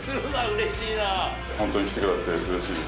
本当に来てくれてうれしいです。